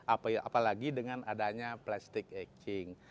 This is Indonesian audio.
apalagi dengan adanya plastik exchange